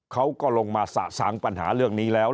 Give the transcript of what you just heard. เขาก็ลงมาสะสางปัญหาเรื่องนี้แล้ว